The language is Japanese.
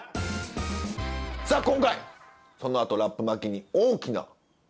さあ今回そのあとラップ巻きに大きな変化が。